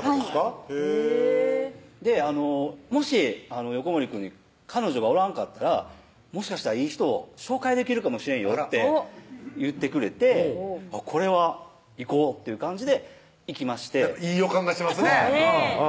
はい「もし横森くんに彼女がおらんかったらもしかしたらいい人紹介できるかもしれんよ」って言ってくれてこれは行こうっていう感じで行きましていい予感がしますねねぇ